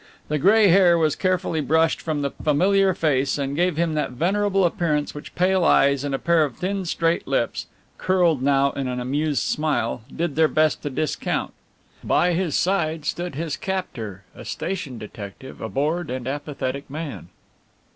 The grey hair was carefully brushed from the familiar face and gave him that venerable appearance which pale eyes and a pair of thin straight lips (curled now in an amused smile) did their best to discount. By his side stood his captor, a station detective, a bored and apathetic man.